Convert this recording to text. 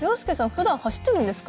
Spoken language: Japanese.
ふだん走ってるんですか？